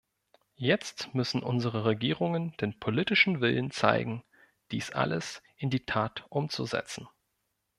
Jetzt müssen unsere Regierungen den politischen Willen zeigen, dies alles in die Tat umzusetzen.